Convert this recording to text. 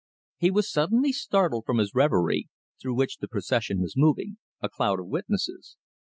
He was suddenly startled from his reverie, through which the procession was moving a cloud of witnesses.